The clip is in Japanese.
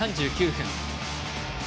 ３９分。